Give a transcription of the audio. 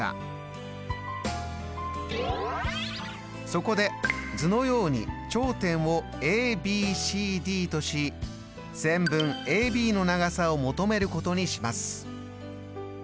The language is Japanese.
そこで図のように頂点をＡＢＣＤとし線分ＡＢの長さを求めることにします。